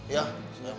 ya saya mau setia